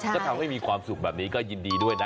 ก็ทำให้มีความสุขแบบนี้ก็ยินดีด้วยนะ